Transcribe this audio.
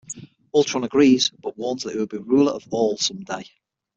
Ultron agrees, but warns that he will be ruler of all someday.